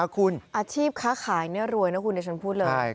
คุณอาชีพค้าขายนี่รวยนะคุณเดี๋ยวฉันพูดเลย